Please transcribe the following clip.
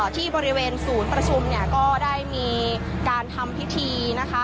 ที่บริเวณศูนย์ประชุมเนี่ยก็ได้มีการทำพิธีนะคะ